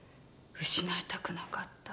失いたくなかった。